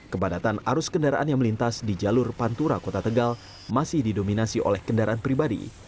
kepadatan arus kendaraan yang melintas di jalur pantura kota tegal masih didominasi oleh kendaraan pribadi